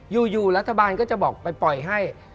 อยู่รัฐบาลก็จะบอกไปปล่อยให้